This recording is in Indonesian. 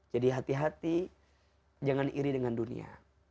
jadi hati hati jangan iri dengan dunia